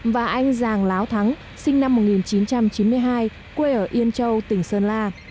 và anh giàng láo thắng sinh năm một nghìn chín trăm chín mươi hai quê ở yên châu tỉnh sơn la